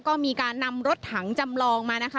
ก็มีการนำรถถังจำลองมานะคะ